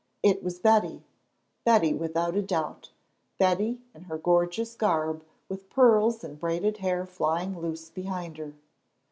It was Betty! Betty without a doubt! Betty in her gorgeous garb, with pearls and braided hair flying loose behind her.